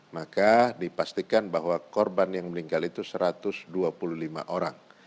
maka dipastikan bahwa korban yang meninggal itu satu ratus dua puluh lima orang